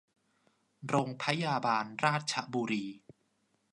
โรงพยาบาลราชบุรี